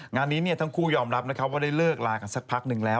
งานนี้ทั้งคู่ยอมรับนะครับว่าได้เลิกลากันสักพักหนึ่งแล้ว